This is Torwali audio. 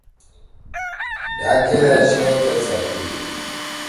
ڈھأک کھید أشی او تھید سرتی ہی۔